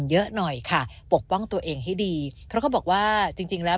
เยอะหน่อยค่ะปกป้องตัวเองให้ดีเพราะเขาบอกว่าจริงจริงแล้ว